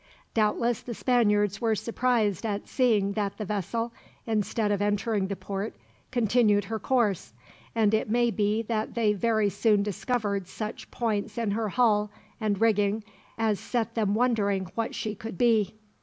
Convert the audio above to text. Doubtless the Spaniards were surprised at seeing that the vessel, instead of entering the port, continued her course; and it may be that they very soon discovered such points in her hull, and rigging, as set them wondering what she could be.